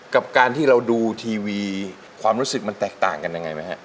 กับการที่เราดูทีวีความรู้สึกมันแตกต่างกันยังไงไหมฮะ